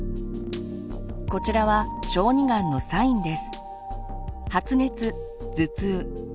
こちらは小児がんのサインです。